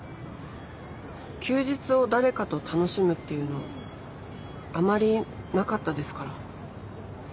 休日を誰かと楽しむっていうのあまりなかったですから。